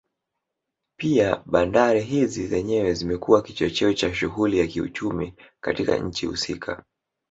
Pia bandari hizi zenyewe zimekuwa kichocheo cha shughuli za kiuchumi katika nchi husika